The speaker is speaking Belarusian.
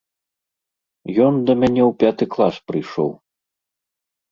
Ён да мяне ў пяты клас прыйшоў.